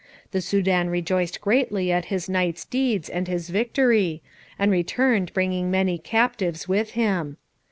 The Soudan rejoiced greatly at his knight's deeds and his victory, and returned bringing many captives with him.